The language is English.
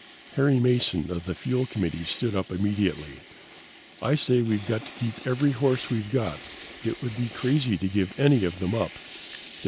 Harry Mason of the fuel committee stood up immediately. "I say we've got to keep every horse we've got. It would be crazy to give any of them up.